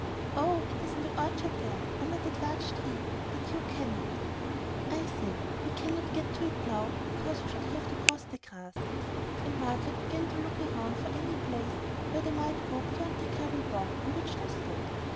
"Oh! it is in the orchard there, under that large tree. But you cannot " "I see; we cannot get to it now, because we should have to cross the grass." And Margaret began to look round for any place where they might go beyond the gravel walk, on which they stood.